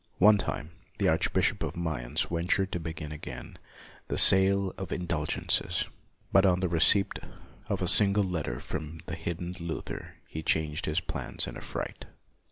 One time the Archbishop of Mayence ventured to begin again the sale of indulgences, but on the receipt of a single letter from the hidden Luther he changed his plans in a fright.